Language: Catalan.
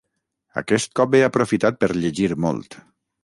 Aquest cop he aprofitat per llegir molt.